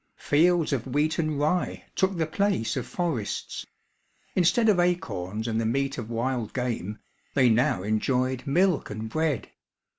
Fields of wheat and rye took the place of forests. Instead of acorns and the meat of wild game, they now enjoyed milk and bread.